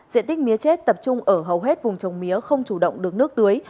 diện tích mía chết tập trung ở hầu hết vùng trồng mía không chủ động được nước tưới